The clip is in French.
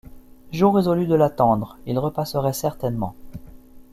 Joe résolut de l’attendre: il repasserait certainement!